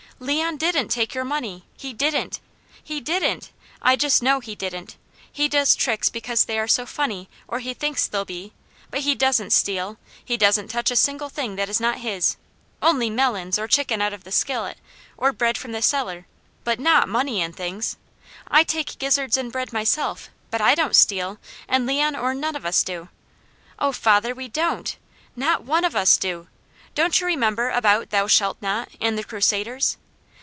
"Leon didn't take your money! He didn't! He didn't! I just know he didn't! He does tricks because they are so funny, or he thinks they'll be, but he doesn't steal! He doesn't touch a single thing that is not his, only melons, or chicken out of the skillet, or bread from the cellar; but not money and things. I take gizzards and bread myself, but I don't steal, and Leon or none of us do! Oh father, we don't! Not one of us do! Don't you remember about 'Thou shalt not,' and the Crusaders?